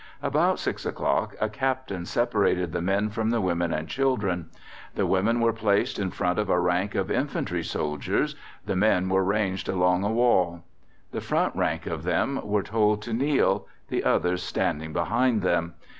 About 6 o'clock a Captain separated the men from the women and children. The women were placed in front of a rank of infantry soldiers, the men were ranged along a wall. The front rank of them were then told to kneel, the others standing behind them.